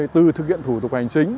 từ thực hiện thủ tục hành chính